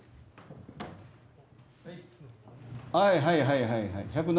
はいはいはいはいはい。